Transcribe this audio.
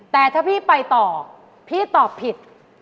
แต่ถ้าพี่ไปต่อพี่ตอบผิด